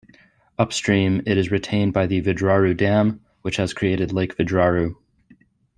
Upstream, it is retained by the Vidraru Dam, which has created Lake Vidraru.